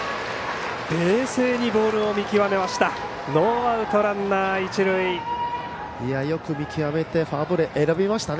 冷静にボールを見極めました。